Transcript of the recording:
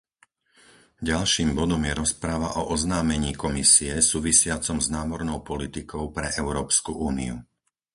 Ďalším bodom je rozprava o oznámení Komisie súvisiacom s námornou politikou pre Európsku úniu.